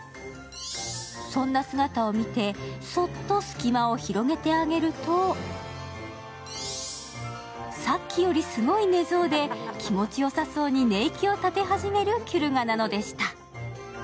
そんな姿を見てそっと隙間を広げてあげるとさっきよりすごい寝相で気持ちよさそうに寝息を立て始めるキュルガなのでした。